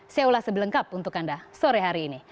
saya ulas sebelengkap untuk anda sore hari ini